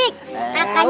itu kakak cantik